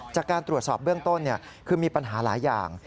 จากการตรวจสอบเบื้องต้นคือมีปัญหาหลายอย่าง